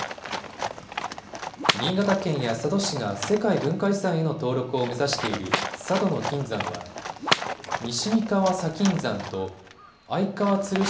新潟県や佐渡市が世界文化遺産への登録を目指している佐渡島の金山は、西三川砂金山と相川鶴子